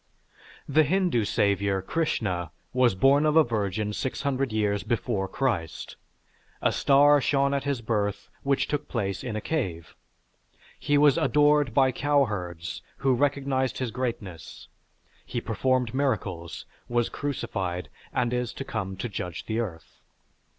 The Hindu Savior, Krishna, was born of a virgin 600 years before Christ. A star shone at his birth which took place in a cave. He was adored by cowherds who recognized his greatness, he performed miracles, was crucified, and is to come to judge the earth.